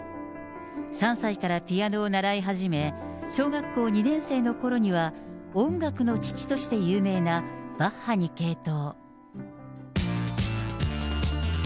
３歳からピアノを習い始め、小学校２年生のころには、音楽の父として有名なバッハに傾倒。